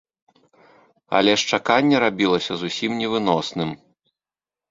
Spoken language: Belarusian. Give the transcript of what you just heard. Але ж чаканне рабілася зусім невыносным.